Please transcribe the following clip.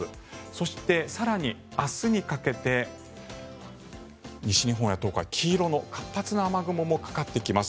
そして、更に明日にかけて西日本や東海黄色の活発な雨雲もかかってきます。